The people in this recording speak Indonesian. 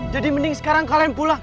jadi mending sekarang kalian pulang